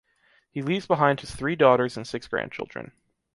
He leaves behind his three daughters and six grandchildren.